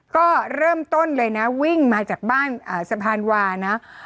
ก็เริ่มต้นเลยนะวิ่งมาจากบ้านสะพานวานะ